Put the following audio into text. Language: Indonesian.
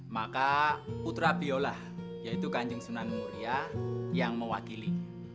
maka putra biolah yaitu kanjeng sunan muria yang mewakili